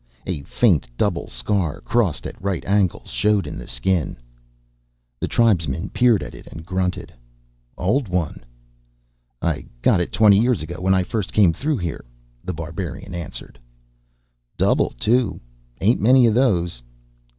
A faint double scar, crossed at right angles, showed in the skin. The tribesman peered at it and grunted. "Old one." "I got it twenty years ago, when I first came through here," The Barbarian answered. "Double, too. Ain't many of those."